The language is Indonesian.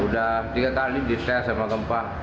sudah tiga kali ditest sama gempa